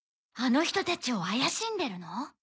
あの人たちを怪しんでるの？